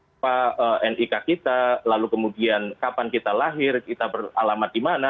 apa nik kita lalu kemudian kapan kita lahir kita beralamat di mana